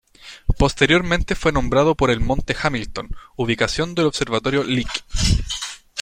Posteriormente fue nombrado por el monte Hamilton, ubicación del observatorio Lick.